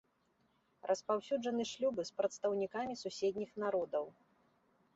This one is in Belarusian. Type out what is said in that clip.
Распаўсюджаны шлюбы з прадстаўнікамі суседніх народаў.